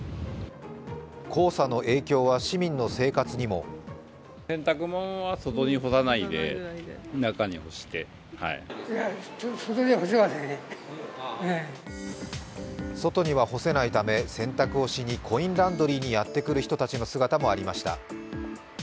黄砂の影響は市民の生活にも外には干せないため洗濯をしにコインランドリーにやってくる人たちの姿もありました。